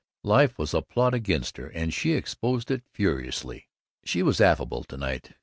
Life was a plot against her, and she exposed it furiously. She was affable to night.